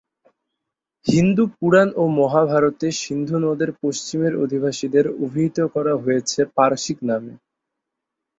হিন্দু পুরাণ ও মহাভারতে সিন্ধু নদের পশ্চিমের অধিবাসীদের অভিহিত করা হয়েছে পারসিক নামে।